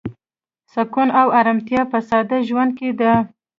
سکون او ارامتیا په ساده ژوند کې ده.